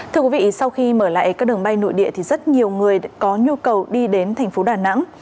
thưa quý vị sau khi mở lại các đường bay nội địa thì rất nhiều người có nhu cầu đi đến thành phố đà nẵng